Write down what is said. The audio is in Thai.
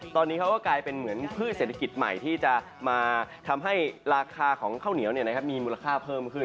ตอนนี้เขาก็กลายเป็นเหมือนพืชเศรษฐกิจใหม่ที่จะมาทำให้ราคาของข้าวเหนียวมีมูลค่าเพิ่มขึ้น